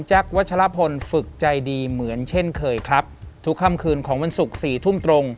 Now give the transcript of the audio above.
วัชลพลฝึกใจดีเหมือนเช่นเคยครับทุกค่ำคืนของวันศุกร์สี่ทุ่มตรง